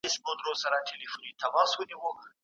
په کومو کتابونو کي د انقلاب کيسې ليکل سوي دي؟